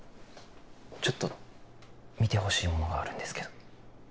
ちょっと見てほしいものがあるんですけど。